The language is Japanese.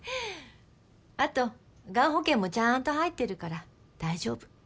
あとがん保険もちゃんと入ってるから大丈夫。